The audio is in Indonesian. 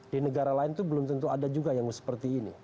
di negara lain itu belum tentu ada juga yang seperti ini